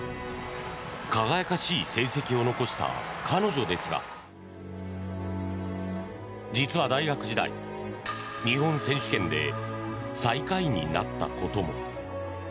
輝かしい成績を残した彼女ですが実は大学時代、日本選手権で最下位になったことも。